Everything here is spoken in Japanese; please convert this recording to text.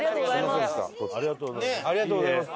ありがとうございます。